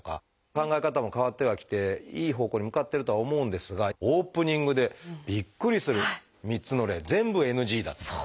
考え方も変わってはきていい方向に向かってるとは思うんですがオープニングでびっくりする３つの例全部ＮＧだっていう。